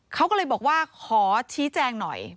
เขาก็เลยบอกว่าขอชี้แจงหน่อย